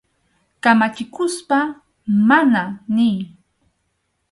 Kamachikuspa «mana» niy.